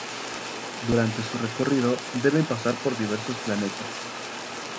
Durante su recorrido deben pasar por diversos planetas.